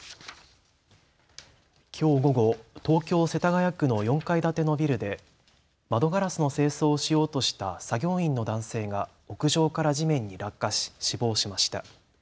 きょう午後、東京世田谷区の４階建てのビルで窓ガラスの清掃をしようとした作業員の男性が屋上から地面に落下し死亡しました。